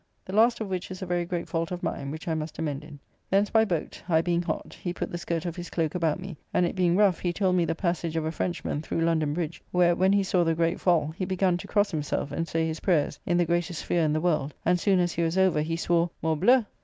The last of which is a very great fault of mine, which I must amend in. Thence by boat; I being hot, he put the skirt of his cloak about me; and it being rough, he told me the passage of a Frenchman through London Bridge, where, when he saw the great fall, he begun to cross himself and say his prayers in the greatest fear in the world, and soon as he was over, he swore "Morbleu!